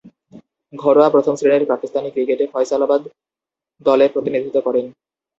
ঘরোয়া প্রথম-শ্রেণীর পাকিস্তানি ক্রিকেটে ফয়সালাবাদ দলের প্রতিনিধিত্ব করেন।